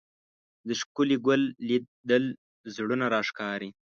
د ښکلي ګل لیدل زړونه راښکاري